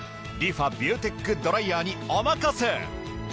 リファビューテックドライヤーにお任せ！